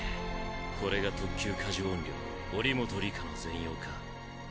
これが特級過呪怨霊祈本里香の全容か。